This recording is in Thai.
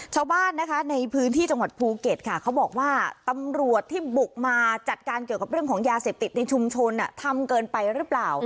ชาวบ้านนะคะในพื้นที่จังหวัดภูเก็ตค่ะเขาบอกว่าตำรวจที่บุกมาจัดการเกี่ยวกับเรื่องของยาเสพติดในชุมชนทำเกินไปหรือเปล่า